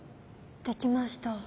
できました。